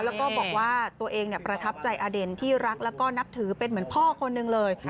แล้วก็บอกว่าตัวเองประทับใจอเด่นที่รักแล้วก็นับถือเป็นเหมือนพ่อคนหนึ่งเลย